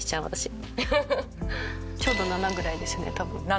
ちょうど７ぐらいですね多分。